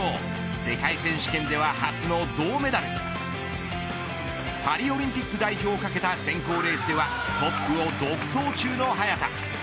世界選手権では初の銅メダル。パリオリンピック代表をかけた選考レースではトップを独走中の早田。